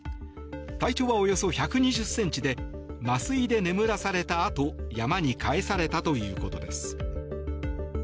体長はおよそ１２０ｃｍで麻酔で眠らされたあと山に返されたということです。